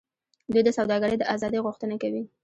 دوی د سوداګرۍ د آزادۍ غوښتنه کوي